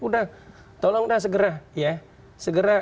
udah tolong dah segera ya segera